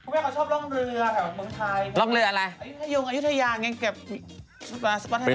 พี่พี่เขาชอบล่องเรือแถวเมืองไทย